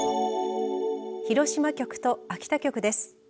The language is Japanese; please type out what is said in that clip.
広島局と秋田局です。